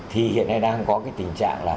thì hiện nay đang có cái tình trạng là